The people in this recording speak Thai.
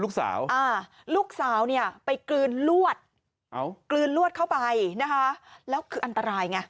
ลูกสาวลูกสาวไปกลืนลวดเข้าไปแล้วคืออันตราย